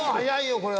これは。